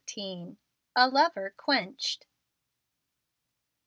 A LOVER QUENCHED.